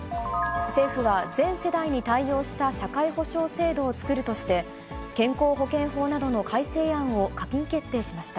政府は全世代に対応した社会保障制度を作るとして、健康保険法などの改正案を閣議決定しました。